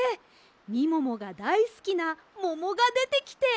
みももがだいすきなももがでてきて。